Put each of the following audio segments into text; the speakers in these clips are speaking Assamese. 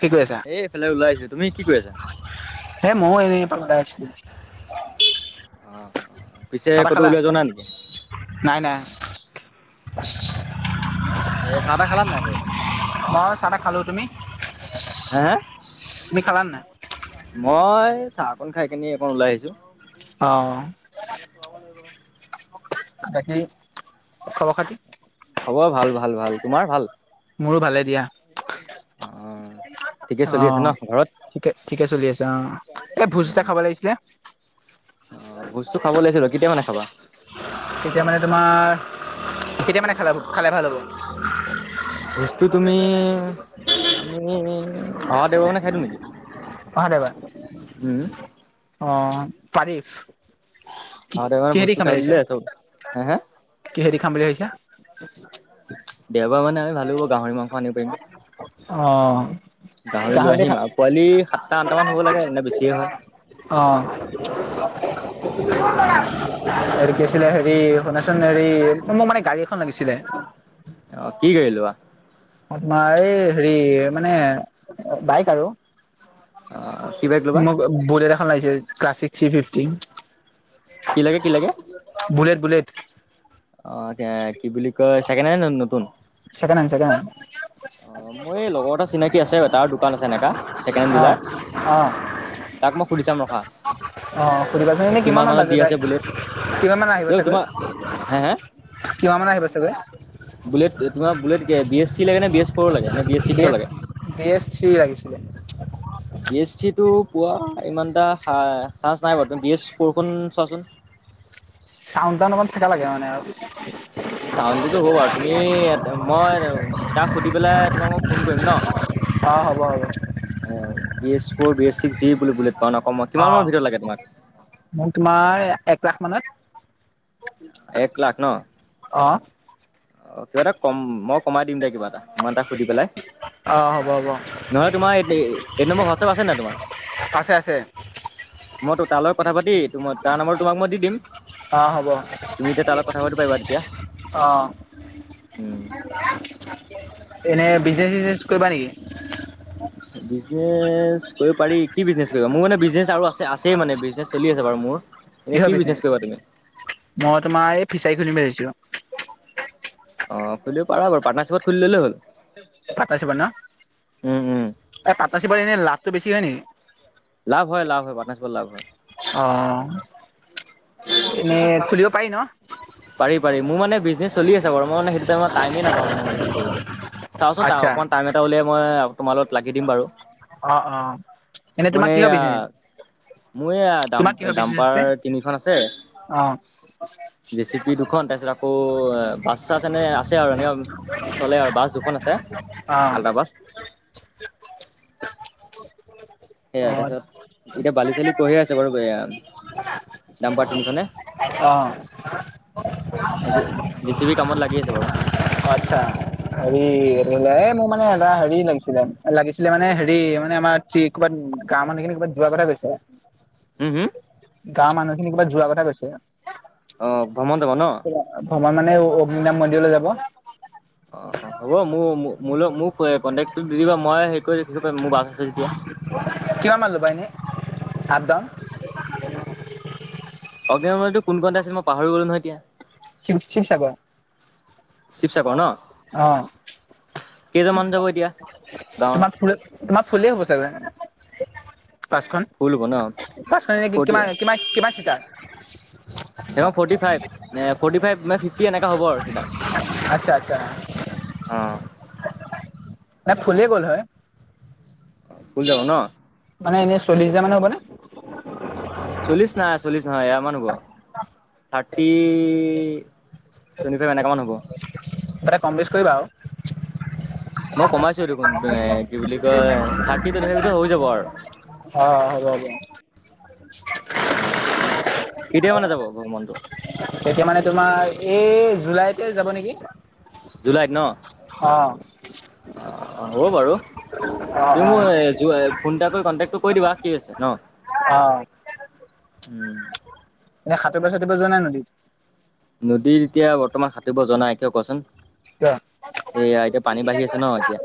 কি কৰি আছা? এ এইফালে ওলাই আহিছো, তুমি কি কৰি আছা? মও এনেই ইফালে ওলাই আহিছিলো। অ পিছে চাহ তাহ ক'তো খালা? ওলাই যোৱা নাই নেকি? নাই নাই। [unintelligible] এ চাহ তাহ খালা নে নাই বাৰু? মই চাহ তাহ খালো। তুমি? হে? তুমি খালা নে নাই? মই এ চাহ অকন খায় কিনি অকণ ওলাই আহিছো। অহ। [inaudible] তাকেই খবৰ খাতি? খবৰ ভাল ভাল ভাল, তোমাৰ ভাল? মোৰো ভালে দিয়া। অ ঠিকে চলি আছে অঁ ন ঘৰত? ঠিকে ঠিকে চলি আছে অঁ এ ভোজ এটা খাব লাগিছিলে। অ ভোজটো খাব লাগিছি বাৰু, কেতিয়া মানে খাবা? কেতিয়া মানে তোমাৰ, কেতিয়া মানে খালে ভাল হ'ব। বস্তু তুমি তুমি অহা অহা টাইমত খাই দিম নেকি? অহা দেওবাৰে উম অ তাৰিফ কি অহা দেওবাৰ মানে ভোজটো কিহেদি খাম খাই বুলি দিলে ভাবিছা, চব হে হে কিহেদি খাম বুলি ভাবিছা? [unintelligible] দেওবাৰ মানে আমি ভালো হব, গাহৰি মাংস আনিব পাৰিম। অহ। গাহৰি লৈ আহিম আৰু পোৱালি সাতটা আঠটা মান হ'ব লাগে নে বেছিয়ে হয়। অহ। পিছে হেৰি, শুনাচোন হেৰি মোক মানে গাড়ী এখন লাগিছিলে। অহ কি গাড়ী লবা। আমাৰ এই হেৰি মানে বাইক আৰু অ' কি বাইক ল'বা? মোক বুলেট এখন লাগিছে ক্লাছিক থ্ৰী ফিফটি। কি লাগে, কি লাগে? Bullet bullet. অ' কি বুলি কয়, ছেকেণ্ড হেণ্ড নে নতুন। Secondhand secondhand. অহ' মোৰ এই লগৰ এটা চিনাকি আছে। তাৰ দোকান আছে এনেকা ছেকেণ্ডহেণ্ড অঁ ডিলাৰ, অঁ তাক মই সুধি চাম ৰখা। অহ' সুধিবাচোন। এনেই কিমান মান মানত দি বাজেত আহে, আছে বুলেট কিমান মান আহিব ঐ চাগৈ। তোমাৰ হে হে কিমান মান আহিব চাগৈ? বুলেট তোমাৰ বুলট কে বি এছ চি লাগে নে বি এছ ফ্ৰৰ লাগে নে B S, B S three লাগিছিলে। বি এছ থ্ৰী টো পোৱা ইমান এটা চাঞ্চ নাই বাৰু তুমি বি এছ ফ্ৰৰখন চোৱাচোন। চাউন টাউন অকন থকা লাগে মানে আৰু। চাউণ্ডটোতো হ'ব বাৰু, তুমি মই তাক সুধি পেলাই তোমাক মই ফোন কৰিম ন। অহ হ'ব হ'ব। B S four, B S six G বুলি বুলেট পাও নকমা, কিমান অঁ মানৰ ভিতৰত লাগে তোমাক? মোক তোমাৰ এক লাখ মানত। এক লাখ ন অ। কিবা এটা কম মই কমাই দিম দে কিবা এটা, মই তাক সুধি পেলাই। অঁ হ'ব হ'ব নহলে তোমাৰ এই নম্বৰ হোৱাটছাপ আছে না তোমাৰ। আছে আছে। মই তোৰ তালৈ কথা পাতি মই তাৰ নম্বৰ তোমাক মই দি দিম। অহ হ'ব, তুমি এতিয়া তাৰ লগত কথা পাতিব পাৰিবা তেতিয়া অহ। উম। এনেই বিজনেচ চিজনেচ কৰিবা নেকি? বিজনেচ কৰিব পাৰি, কি বিজনেছ কৰিবা মোৰ মানে বিজনেছ আৰু আছে আছেই মানে বিজনেছ চলি আছে বাৰু মোৰ। এনে কি কিহৰ কৰিবা বিজনেছ, তুমি মই তোমাৰ এই ফিচাৰী খুলিম বুলি ভাবিছিলো। অহ খুলিব পাৰা বাৰু পাৰ্নাৰশ্বিপত খুলি ললেই হ'ল। পাটনাশ্বিপত ন, উম উম এ পাটনশ্বিপত এনেই লাভটো বেছি হয় নি? লাভ হয় লাভ হয় পাৰ্টনাৰশ্বিপত লাভ হয়। অহ, এনেই খুলিব পাৰি ন। পাৰি পাৰি মোৰ মানে বিজনেছ চলি আছে বাৰু মই মানে সেইটো টাইমত টাইমেই নাপাওঁ মানে এনেকে হেৰি কৰিবলৈ, চাওঁচোন তাৰ আচ্ছা অকমান টাইম এটা উলিয়াই মই তোমাৰ লগত লাগি দিম বাৰু। অহ অহ এনেই মানে তোমাক কিহৰ এয়া বিজনে মোৰ এইয়া দাম দাম্পাৰ তিনিখন আছে, অ জে চিপি দুখন, তাৰপিছত আকৌ বাছ চাছ এনে আছে আৰু এনেও চলে আৰু বাছ দুখন আছে। অ আলৰাাবাস [inaudible] অ সেয়াাই তাৰপিছত এতিয়া বালি চালি পঢ়ে [inaudible] আছে বাৰু এ দাম পাৰ তিনিখনে। অঁ। আজি, জে চি বি কামত লাগি আছে বাৰু। হ এ মোৰ মানে [inaudible] হেৰি লাগিছিলে - লাগিছিলে মানে হেৰি মানে আমাৰ কি ক'বাত গৱৰ মানুহখিনি ক'ৰবাত যোৱাৰ কথা কৈছিলে। উম উম। গাঁৱৰ মানুহ খিনি কৰবাত যোৱা কথা কৈছে। অঁ ভ্ৰমণ যাব নহ? তোমাৰ মানে অাম মন্দিৰলৈ যাব [inaudible] অ' অ' হ'ব মোৰ ম মোক কণ্টেক্ট দিবা মই হ কৰি মোৰ বাছ আছে যেতিয়া। কিমান মান ল'বা এনেই আপডাউন? অগ্ন মতো কোন কণটা আছিল মই পাহৰি গলো নহয় এতিয়া [inaudible] শিৱ শিৱসাগৰ। শিৱসাগৰ ন? অ কেইজনামান যাব এতিয়া? গাঁৱৰ তোমাৰ ফুল তোমাৰ ফুলেই হ'ব চাগে। পছখন ফুল হ'ব ন পাছখননে কিমান কিমান কিমান চিটাৰ? ফটি ফাইভ ফটি ফাইভ মে ফিফটি এনেকা হ'ব আৰুিনা [inaudible] আচ্ছা আচ্ছা। ন ফুলিয়ে গ'ল হয় [inaudible] অ' ফুল যাব ন? মানে এনেই চল্লিছ হাজাৰ মানে হ'ব নে? চল্লিশ নাই চল্লিশ নহয় এয়া মান হ'ব থাৰ্টি টুৱেণ্টি ফাইভ এনেকুৱামান হ'ব তটা কম বেছ কৰিবা আৰু মই কমাইছো দেখোন এ আৰু কি বুলি কয় থাৰ্টি টুৱেণ্টি ফাইভ হৈ যাব আৰু অ হবব অ কেতিয়া মানে যাব ভ্ৰমণটো তেতিয়া মানে তোমাৰ এই জুলাইতে যাব নেকি জুলাইক ন হ অ হ'ব বাৰু তুি অঁ মই ফোন এ কৰি কণ্টেক্ট তোক কৈ দিবা কি আছে ন অ উম এ সাতব চাটিব যোৱা নাই নদীত নদীৰ এতিয়া বৰ্তমান সাঁতুিব জাই কিয় কচোন ক এয়া এতিয়া পানী বাঢ়ি আছে ন এতিয়া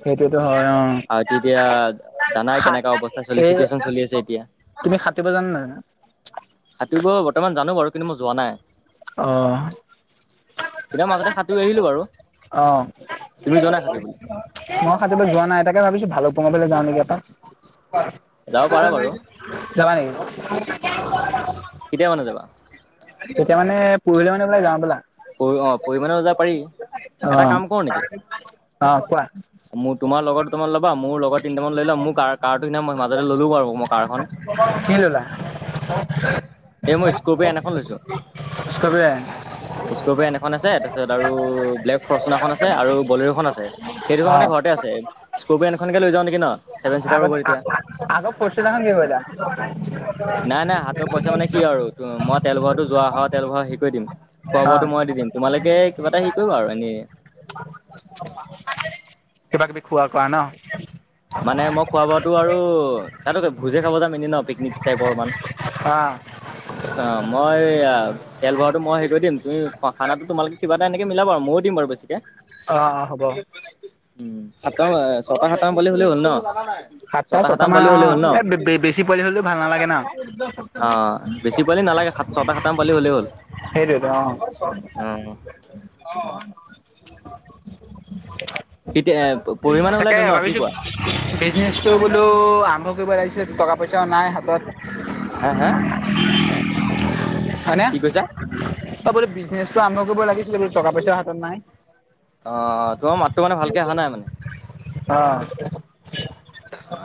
সেইটোতো হয় অঁ আৰু তেতিয়া জানাই খা কেনেককা অৱস্থা চল এই চিটুৱেচন চলি আছে এতিয়া তুমি সাটিব জানে ন জানো সাঁতিব বৰ্তমান জানো বাৰু কিন্তু মই যোৱা নাই অঁ এতিয়া মাকতে সাঁতুৰি আহিলো বাৰু অ মই তুমি যোৱা নাই সাঁতুৰিবলৈ সাজলৈ যোৱা নাই এ তাকে ভাবিছো ভালো তোমাৰফালে যাৱ নেকি এপাক, যাব পাৰা বাৰু যাবা নেকি [inaudible] কেতিয়া মানে যাবা কেতিয়া মানে পৰহিলে মানে বোলে যাওঁ বলা পৰি অ পৰিমণেও যাব পাৰি এটা অ', কাম কৰো নেকি অ', কোৱা মোৰ তোমাৰ লগত দুটামান ওলাবা মোৰ লগত তিনিমান লৈ ল'ম মোৰ কাৰ সিদিনা মই মাজতে ল'লোঁ বাৰু মই কাৰখন কি ললা এই মই স্কপিঅ এন এখন লৈছোঁ [unintelligible] স্কপিঅ এন এখন আছে তাৰপিছত আৰু ব্লেক ফৰচুন এখন আছে আৰু বলেৰোখন আছে সেই দুখন মানে অ', ঘৰতে আছে স্কপিয় এন খনকে লৈ যাও নেকি ন ছেভেন চিটাৰ হ'ব আগত তেতিয়া অ আগৰ ফৌৰচোনাৰ খন নাই নাই হাতৰ পইচা কি মানে কি আৰু কৰিলা মই তেল ভৰোৱা টো যোৱা হয়া তেল ভৰাই হেৰি কৰি দিম খোৱা অ', বোৱাটো মই দিম তোমালোকে কিবা এটা টো আৰু এনেই কিবা কিবি খোৱা কৰা ন মানে মই খোৱা বোৱাটো আৰু তাতো ভোজে খাব যাম ন এনেই পিকনিক টাইপৰ মান অ', অ মই এয়া তেল ভৰোৱাটো মই হে কৰি দিম তুমি খানা তোমালোকে কিবা এটা এনেকে মিলা আৰু ময়ো দিম বাৰু বেছিকে অ অ হ'ব উম সাততা ছটা সাতটা মান হ'লেই হ'ল ন সাতটা ছটা সাতটামান মান পোৱালি অ হ'লেই হ'ল ন? এ বেছি পোৱালি হও ভাল নালাগে ন। অ' বেছি পোৱালি নালাগে সাত ছটা মান পালি হ'লে হ'ল। হেইৰিত অ অ' কেতিয়া পৰহি মানে ওলাই তাকে দিওঁ ন কি ভাবিছো কোৱা? বিজনেচটো বোলো আৰম্ভ কৰিব লাগিছিল টকা পইচা নাই হাতত। হা হা হয়নে কি কৈছা? ত বো বিজনেচটো আৰম্ভ কৰিব লাগিছিলে বো টকা পইচাৰ হাতত নাই। অ তোমাৰ মাতটো মানে ভালকে অহা নাই মানে। আহ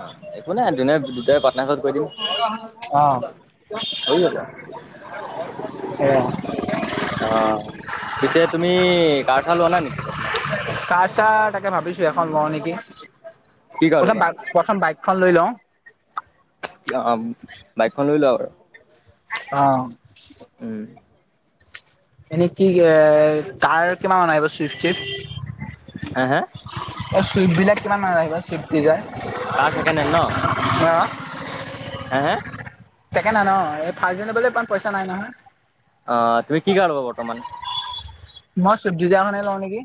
অ' একো নাই দোনে দুটাই পাটনাৰ ঘৰত কৈ দিম অ মই কঁঠাল এ অ' পিছে তুমি কাৰ চাৰ লোৱা নাই নেকি বৰ্তমান? কাৰ চাৰ তাকে ভাবিছো এখন লওঁ নেকি, কি কাৰ প্ৰথম ল'বা বাই প্ৰথম বাইকখন লৈ লওঁ। কিয়, অ' বাইকখন লৈ লওঁ। অহ' উম। এনেই কি এ কাৰ কিমান অনা চুইফটিত হে হে এই চুইফ্ট বিলাক কিমান মান আহিব, চুইফ্ট ডিজাৰ? অ' অ হে হে ছেকেণ্ড হেণ্ড এই ফাৰ্ষ্ট হেণ্ড ল'বলৈ ইমান পইচা নাই নহয়। অ' তুমি কি কাৰ ল'বা বৰ্তমান? মই চুইফ্ট ডিজাইৰ খনে লওঁ নেকি?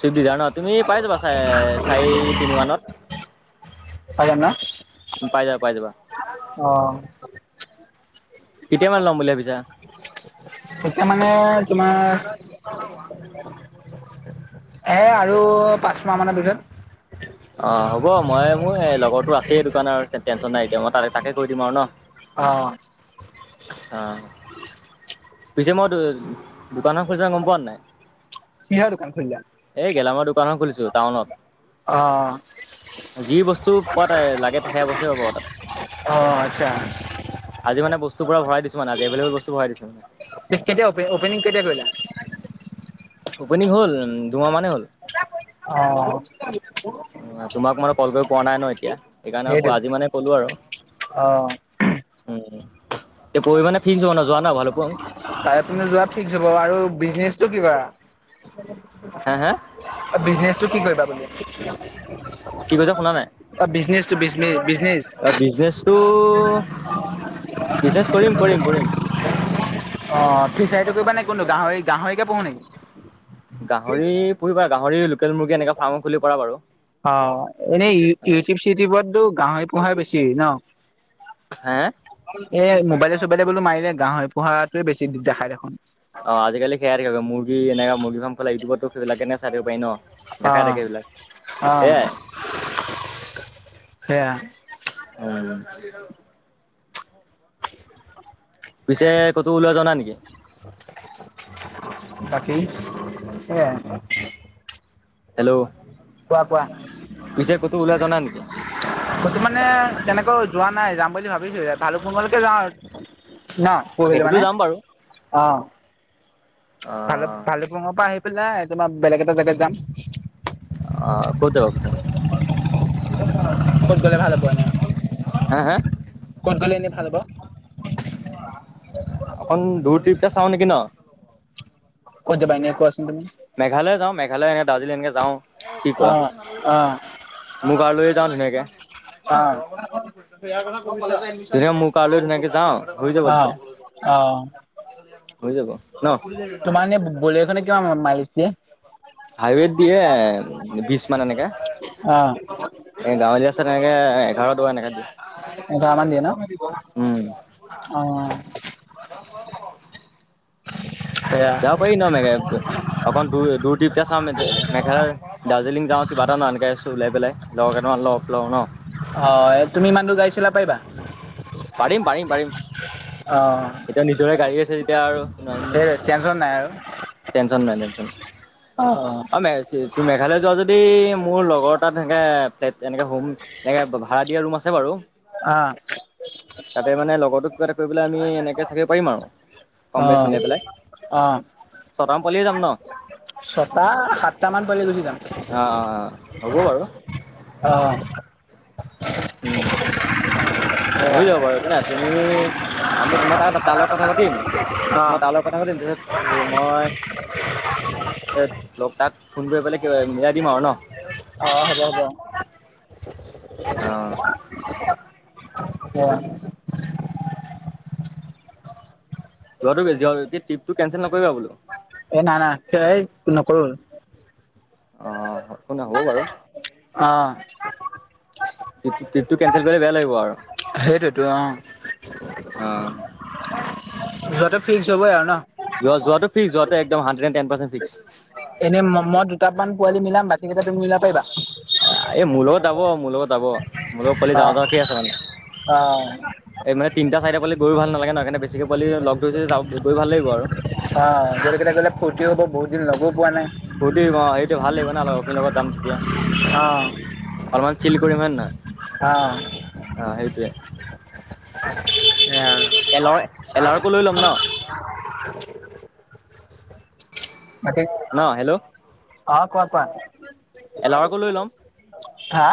চুইফ্ট ডিজাইৰ ন তুমি পাই যাবা চাৰে চাৰি তিনি মানত পাই জাম ন পাই যাবা পাই যাবা অ' কেতিয়া মানে ল'ম বুলি ভাবিছা? এতিয়া মানে তোমাৰ এই আৰু পাঁচ মাহ মানৰ ভিতৰত অ' হ'ব, মই মোৰ এই লগৰটো আছে, দোকান আৰু টেনশ্যন নাই, এতিয়া মই তো তাকে কৈ দিম আৰু ন। অহ' অহ'। পিছে মই দু দোকানখন খুলিছা গম পোৱ নাই? কিহৰ দোকান খুলিলা এ গেলামালৰ দোকান এখন খুলিছো টাউনত। অ যি বস্তু পোৱা তাই লাগে সে বস্তুৱে পাব তাত। অঁ আচ্ছা। আজি মনে বস্তু পোৰা ভৰাই দিছো মানে আজি এভেই লেবল বস্তু ভৰাই দিছো মানে। কেতিয়া অপে অপেনিং কেতিয়া কৰিলা? অপেনিং হ'ল দুমাহ মানে হ'ল। অহ। তোমাক মানে কল কৰিব পোৱা নাই ন এতিয়া। সেইকাৰণে আকৌ সেইটো আজি মানে কলো আৰু, অ'। উম। এতিয়া পৰহি মানে ফিক্স হ'ব ন যোৱা ন ভালুক পুং? [unintelligible] পিনে যোৱা ঠিক হব আৰু বিজনেচটো কি কৰা? হা হা বিজনেচটো কি কৰিবা তুমি? বিজনেচটো বিজনেচ অ বিজনেচটো বিজনেচ কৰিম কৰিম কৰিম। অ ফিচাৰীটো কৰিবা নে কোনটো গাহৰি গাহৰিকে পোহো নেকি? গাহৰি পুহিবা গাহৰি লোকেল মুৰ্গী এনেক ফাৰ্মো খুলিব পাৰা বাৰু। অ এনেই ই ইউটিউব চিটিউবততো গাহৰি পোহাই বেছি ন। হে এ মোবাইলে চোবাইলে বোলো মাৰিলে গাহৰি পোহাটোৱে বেছি দেখাই দেখোন। অ আজিকালি সেয়াই থাকিব মূৰ্গী এনেকা মূৰ্গী ফাম খোলা ইউটউবত সেইবিলাকে চাই থাকিব পাৰি ন। দেখাই অ', থাকে এই বিলাক অ', সেয়াই। সেয়া অ। পিছে কতো ওলোই যোৱা নাই নেকি? বাকী সেইয়াই। হেল্ল' পিছে ক'তো ওলাই যোৱা নাই নেকি? মই তো মানে তেনেকৈ যোৱা নাই যাম বুলি ভাবিছো ভালুক পুংলৈকে যাওঁ আৰু। ন পৰহিলৈ সেইটোতো মানে যাম বাৰু। অ ভালুক ভালুক অ' পুংৰ পৰা আহি- পেলাই তোমাৰ বেলেগ এটা জেগাত যাম। অ ক'ত যাবা পিছে? ক'ত গ'লে ভাল হ'ব এনে। হা হা। কত গলে এনেই ভাল হব? এতিয়া চাওঁ নেকি ন। কত যাবা এনে কোৱাচো- মেঘালয় যাওঁ মেঘালয় এনে দাৰ্জিলিং এনেকে যাওঁ কি অ কোৱা। অ মোৰ গাঁৱলৈয়ো যাও ধুনীয়াকে। অ তেতিয়া মোৰ গাওঁলৈ ধুনীয়াকে যাওঁ। হৈ যাব অ তেতিয়া। অ'। হৈ যাব। ন? তোমাৰ এনে বলেৰ'খনে কিমান মাইলেজ দিয়ে। হাইৱেত দিয়ে বিশ মান এনেকে। অ এ গাঁৱলীয়া আছে এনেকে এঘাৰ দহ এনেকে দিয়ে। এঘাৰ মান দিয়ে উম। ন অ। [unintelligible] [unintelligible] সেয়া যাব পাৰি ন মেঘা অকন দূ দূৰ ট্ৰিপ। এতিয়া চাওঁ ম মেঘালয় দাৰ্জিলিং যাওঁ কিবা এটা ন এনেকৈ আছোঁ ওলাই পেলাই লগৰ কেইটামান লগ লওঁ ন। অ তুমি ইমানটো গাড়ী চলাব পাৰিবা? পাৰিম পাৰিম পাৰিম অ এতিয়া নিজৰে গাড়ী আছে যেতিয়া আৰু। নোৱাৰিম নে সেয়ে টেনচন নাই আৰু। টেনচন নাই টেনচন। অ অ। তোৰ মেঘালয় যোৱা যদি মোৰ লগৰ তাত সনেকে এনেকে এনেকে ভাড়া দিয়া ৰুম আছে বাৰু। অ। তাতে মানে লগতো কিবা এটা কৰি পেলাই আমি এনেকে থাকিব পাৰিম আৰু। কম বেচ আহ অ। ন পালিয়ে যাম ন। ছটা সাতটা মান। গুচি যাম অ অ হ'ব বাৰু আহ। উম ভাবি সেয়া যাব পাৰু তুমি আমি তো মই তাত তালত কথা পাতিম। অ মই তাৰ লগত কথা সুধম মই লগ তাক ফোন কৰি পেলাই কিবা মিলাই দিম আৰু ন। অ হব হব। অ। উম। যোৱাটো ট্ৰিপটো কেনচেল নকৰিবা বোলো। এ না না টেই নকৰো অ একোনাই হ'ব বাৰু অহ ট্ৰিপ ট্ৰিপটো কেঞ্চেল কৰিলে বেয়া লাগিব আৰু সেইটোৱে টো অ অ যোৱাটো ফিক্স হবই আৰু ন যোৱাটো ফিক্স যোৱাটো একম হাড্ৰেড এ ট পাৰ্চেন ফিক্স এনেই মই দুটামান পোৱালি মিলাম বাকীকেইটা তুমি মিলাব পাৰিবা এই মোৰ লগত যাব আও মোৰ লগত যাব মোৰ লগত পোৱালি অ ডাঙ ডাঙ কি আছে মানে অ এই মানে তিনিটা চাৰিটা পোৱালি গৈও ভালাগে ন সেইকাৰনে বেছি কৈ পোৱালি লগ ধৰিছো যাব গৈ ভাল লাগিব আৰু অ গোটেই' কেইটা গ'লে ফূৰ্তিও হ'ব বহুত দিন লগো পোৱা নাই ফূ্তি অ সেইটো ভাল লাগিব না লগৰ খিনি লগত যাম তেতিয়া অ অলপমান চিল কৰিমান না অ এলৰ এলাৰকো লৈ ল'ম ন তাকে ন হেল্ল' অ কোৱা কোৱা এলাৰকো লৈ ল'ম। হা